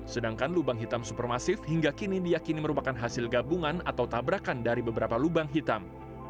sedangkan lubang hitam supermasif hingga kini diakini merupakan hasil gabungan atau tabrakan dari beberapa lubang hitam